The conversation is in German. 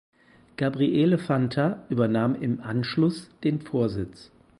Gabriele Fanta übernahm im Anschluss den Vorsitz.